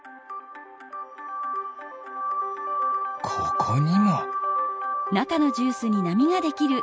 ここにも。